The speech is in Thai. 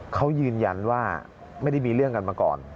เขายืนยันว่าไม่ได้มีเรื่องกันมาก่อน